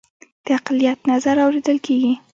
د اقلیت نظر اوریدل کیږي